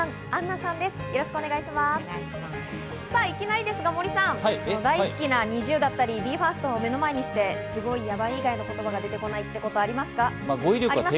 さぁ、いきなりですが森さん、大好きなＮｉｚｉＵだったりＢＥ：ＦＩＲＳＴ目の前にしてすごい、やばい以外の言葉が出てこないということはありますか？